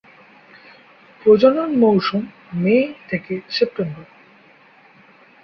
প্রজনন মৌসুম মে-সেপ্টেম্বর।